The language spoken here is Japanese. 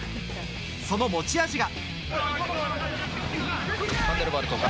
その持ち味が。